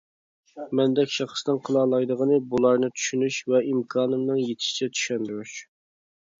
مەندەك شەخسنىڭ قىلالايدىغىنى بۇلارنى چۈشىنىش ۋە ئىمكانىمنىڭ يېتىشىچە چۈشەندۈرۈش.